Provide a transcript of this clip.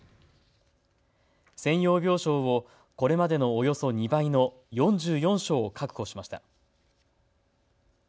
専用病床をこれまでのおよそ２倍の４４床、確保しました。